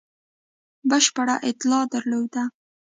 بشپړه اطلاع درلوده.